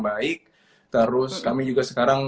baik terus kami juga sekarang